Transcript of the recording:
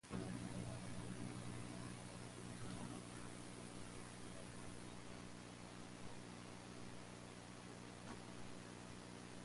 Speech errors may be used intentionally for humorous effect, as with Spoonerisms.